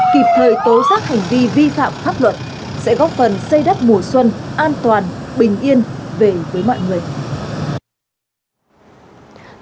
kịp thời tố giác hành vi vi phạm pháp luật sẽ góp phần xây đắp mùa xuân an toàn bình yên về với mọi người